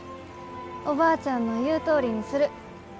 おばあちゃんの言うとおりにする。